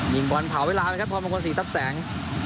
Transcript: มีบอลเผ่าเวลามาครับพ่อมะคลมสีซับงแสง